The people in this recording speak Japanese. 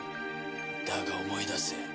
だが思い出せ。